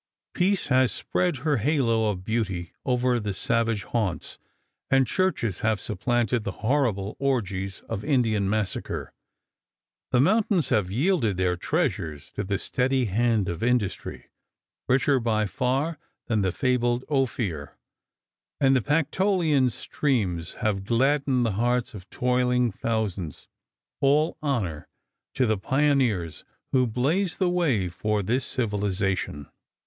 Peace has spread her halo of beauty over the savage haunts and churches have supplanted the horrible orgies of Indian massacre. The mountains have yielded their treasures to the steady hand of industry richer by far than the fabled Ophir and the pactolian streams have gladdened the hearts of toiling thousands. All honor to the pioneers who blazed the way for this civilization.